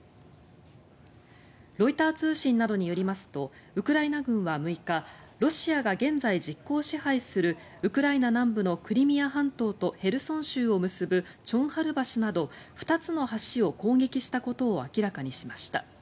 ロイター通信などによりますとウクライナ軍は６日ロシアが現在実効支配するウクライナ南部のクリミア半島とヘルソン州を結ぶチョンハル橋など２つの橋を攻撃したことを明らかにしました。